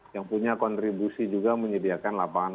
yang punya kontribusi juga menyediakan lapangan